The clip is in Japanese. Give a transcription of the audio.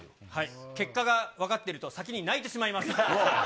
結果が分かっていると、先に泣いてしまいます。